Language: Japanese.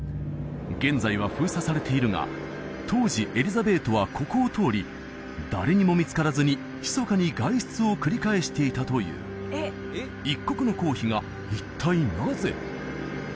現在は封鎖されているが当時エリザベートはここを通り誰にも見つからずにひそかに外出を繰り返していたという一国の皇妃が一体なぜ？